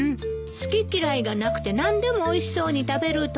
好き嫌いがなくて何でもおいしそうに食べるところ。